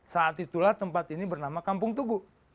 saat itulah tempat ini bernama kampung tugu